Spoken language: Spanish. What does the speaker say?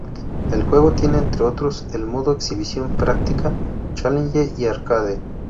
El juego tiene, entre otros, el modo Exhibición, Práctica, Challenge y Arcade.